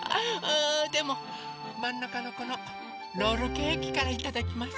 でもまんなかのこのロールケーキからいただきます。